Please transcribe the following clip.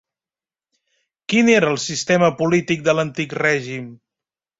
Quin era el sistema polític de l'antic règim?